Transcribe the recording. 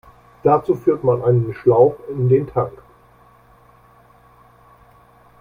Dazu führt man einen Schlauch in den Tank.